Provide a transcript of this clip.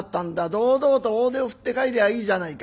堂々と大手を振って帰りゃいいじゃないか」。